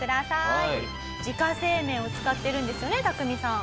自家製麺を使ってるんですよねタクミさん。